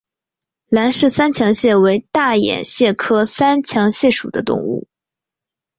兰氏三强蟹为大眼蟹科三强蟹属的动物。